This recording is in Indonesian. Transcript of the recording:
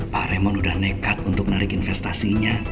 pak raymond udah nekat untuk narik investasinya